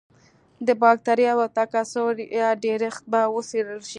د بکټریاوو تکثر یا ډېرښت به وڅېړل شي.